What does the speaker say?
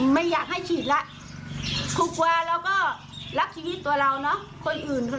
ไม่อยากให้ฉีดละทุกว่าเราก็รักชีวิตตัวเอง